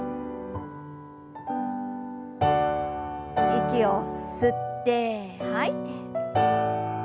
息を吸って吐いて。